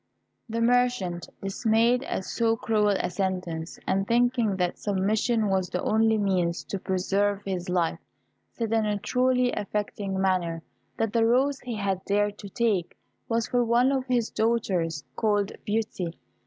The merchant, dismayed at so cruel a sentence, and thinking that submission was the only means to preserve his life, said, in a truly affecting manner, that the rose he had dared to take was for one of his daughters, called Beauty.